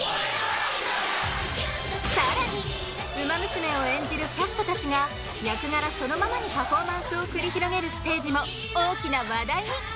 更にウマ娘を演じるキャストたちが役柄そのままにパフォーマンスを繰り広げるステージも大きな話題に！